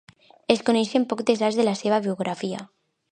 Es coneixen pocs detalls de la seva biografia.